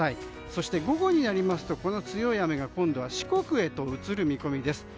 そして午後になりますとこの強い雨が今度は四国へ移る見込みです。